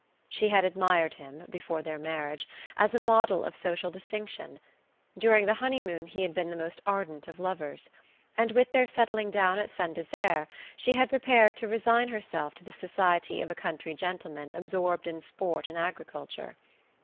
She had admired him, before their marriage, as a model of social distinction; during the honeymoon he had been the most ardent of lovers; and with their settling down at Saint Desert she had prepared to resign herself to the society of a country gentleman absorbed in sport and agriculture.